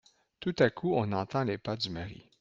Tout à coup on entend les pas du mari.